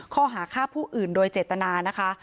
ข้อหาฆ่าผู้อื่นโดยเจตนานะคะ